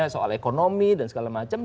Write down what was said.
soal ekonomi dan segala macam